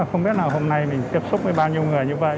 không biết là hôm nay mình tiếp xúc với bao nhiêu người như vậy